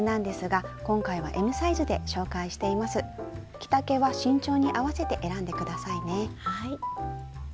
着丈は身長に合わせて選んで下さいね。